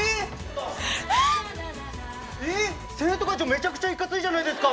めちゃくちゃいかついじゃないですか。